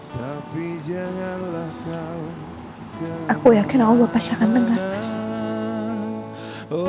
tapi janganlah kau gagal